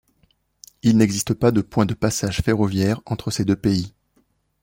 Il n'existe pas de point de passage ferroviaire entre ces deux pays.